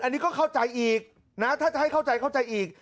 อันนี้ก็เข้าใจอีกนะถ้าจะให้เข้าใจเข้าใจอีก